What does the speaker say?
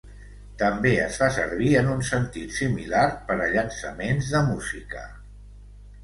També es fa servir en un sentit similar per a llançaments de música.